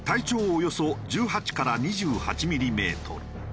およそ１８から２８ミリメートル。